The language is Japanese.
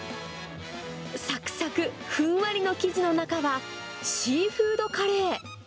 さくさくふんわりの生地の中は、シーフードカレー。